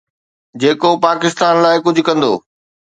جيڪو پاڪستان لاءِ ڪجهه ڪندو